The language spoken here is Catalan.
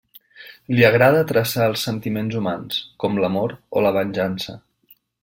Li agrada traçar els sentiments humans, com l'amor o la venjança.